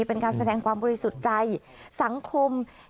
เป็นการแสดงความบริสุทธิ์ใจสังคม